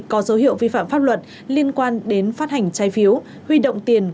có dấu hiệu vi phạm pháp luật liên quan đến phát hành trái phiếu huy động tiền